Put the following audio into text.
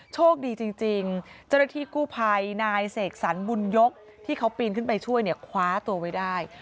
โชคดีจริงเจ้าหน้าที่กู้ภัยนายเสกสรรบุญยกที่เขาปีนขึ้นไปช่วยเนี่ยคว้าตัวไว้ได้